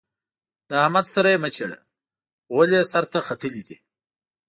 له احمد سره يې مه چېړه؛ غول يې سر ته ختلي دي.